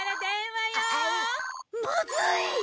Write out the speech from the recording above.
まずい！